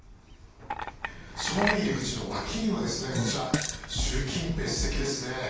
正面入り口の脇には習近平主席ですね。